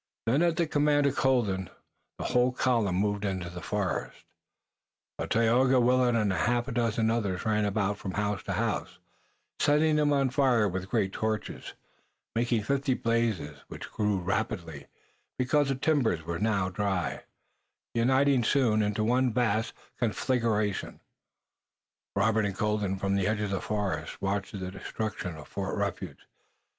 Then at the command of Colden the whole column moved into the forest, but Tayoga, Willet and a half dozen others ran about from house to house, setting them on fire with great torches, making fifty blazes which grew rapidly, because the timbers were now dry, uniting soon into one vast conflagration. Robert and Colden, from the edge of the forest, watched the destruction of Fort Refuge.